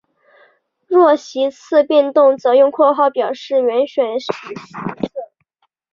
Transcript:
若席次变动则用括号表示原选举席次。